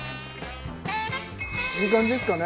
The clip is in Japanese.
いい感じですかね？